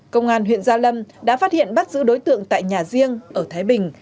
công an huyện gia lâm đã phát hiện bắt giữ đối tượng tại nhà riêng ở thái bình